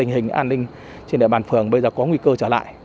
tình hình an ninh trên địa bàn phường bây giờ có nguy cơ trở lại